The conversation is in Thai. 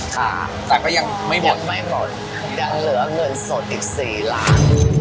ค่ะแต่ก็ยังไม่หมดไม่หมดยังเหลือเงินสดอีก๔ล้าน